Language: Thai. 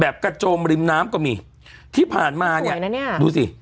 แบบกระโจมริมน้ำก็มีที่ผ่านมาเนี้ยสวยนะเนี้ยดูสิ